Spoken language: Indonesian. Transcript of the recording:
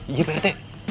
iya pak rt